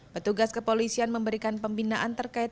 petugas kepolisian memberikan pembinaan terkait